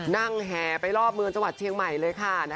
แห่ไปรอบเมืองจังหวัดเชียงใหม่เลยค่ะ